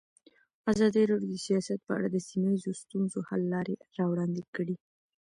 ازادي راډیو د سیاست په اړه د سیمه ییزو ستونزو حل لارې راوړاندې کړې.